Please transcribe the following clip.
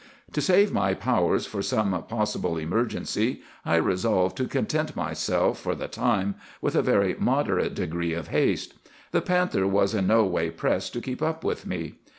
"To save my powers for some possible emergency, I resolved to content myself, for the time, with a very moderate degree of haste. The panther was in no way pressed to keep up with me.